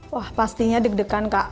wah pastinya deg degan kak